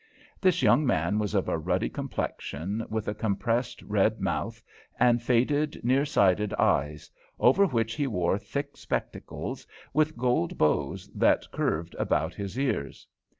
This young man was of a ruddy complexion, with a compressed, red mouth, and faded, near sighted eyes, over which he wore thick spectacles, with gold bows that curved about his ears.